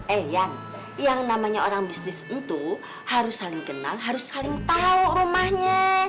elian yang namanya orang bisnis itu harus saling kenal harus saling tahu rumahnya